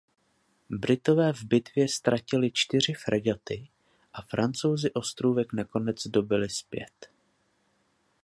Britové v bitvě ztratili čtyři fregaty a Francouzi ostrůvek nakonec dobyli zpět.